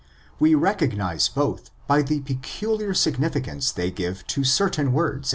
We recognise both by the peculiar significance they give to certain words!